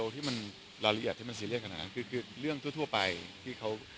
ที่มันรายละเอียดที่มันซีเรียสขนาดนั้นคือคือเรื่องทั่วไปที่เขา